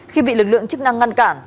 khi bị lực lượng chức năng ngăn cản